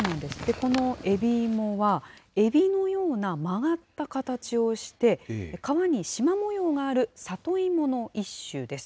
このえびいもは、えびのような曲がった形をして、皮にしま模様がある里芋の一種です。